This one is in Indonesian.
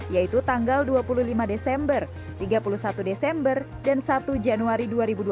yaitu tanggal dua puluh lima desember tiga puluh satu desember dan satu januari dua ribu dua puluh